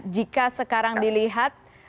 jika sekarang dilihat